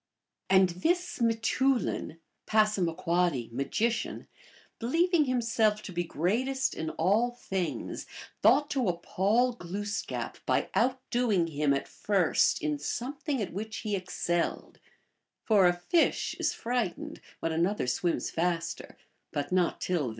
And this m^teoulin (P., magician), believing himself to be greatest in all things, thought to appall Glooskap by outdoing him at first in something at which he excelled ; for a fish is frightened when another swims faster, but not till!